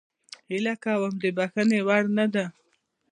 هیله کوم د بخښنې وړ نه ده